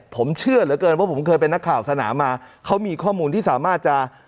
ผมเชื่อเหลือเกินว่าผมเคยเป็นนักข่าวสนามมาเขามีข้อมูลที่สามารถจะ